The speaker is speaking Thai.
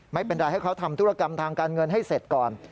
ไม่เป็นไรให้เขาทำธุรกรรมทางการเงินให้เสร็จก่อน